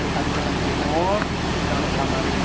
kita dari tanah suci mekah